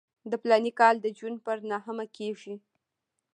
د فلاني کال د جون نهمه کېږي.